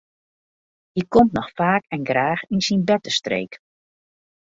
Hy komt noch faak en graach yn syn bertestreek.